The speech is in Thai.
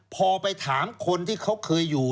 พอไปถามคนที่เขาเคยอยู่